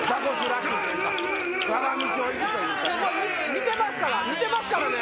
見てますから見てますからね。